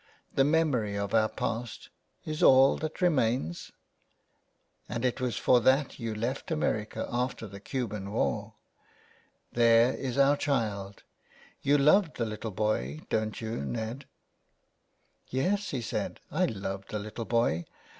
The memory of our past — is all that remains ? And it was for that you left America after the Cuban war ? There is our child. You love the little boy, don't you, Ned ?" 391 THE WILD GOOSE. " Yes/' he said, " I love the little boy.